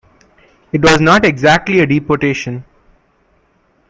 It was not exactly a deportation.